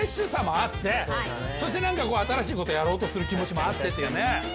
そして新しいことやろうとする気持ちもあってっていうね。